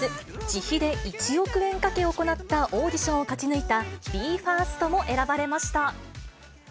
自費で１億円かけ行ったオーディションを勝ち抜いた、ＢＥ：ＦＩＲＳＴも選ばれました。